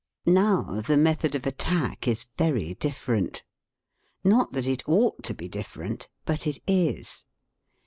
Now the method of attack is very different. Not that it ought to be different! But it is.